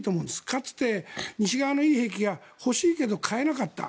かつて西側のいい兵器が欲しいけど買えなかった。